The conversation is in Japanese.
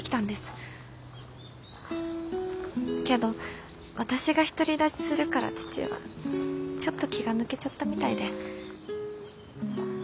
けど私が独り立ちするから父はちょっと気が抜けちゃったみたいで。